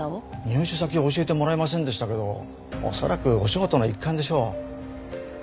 入手先は教えてもらえませんでしたけど恐らくお仕事の一環でしょう。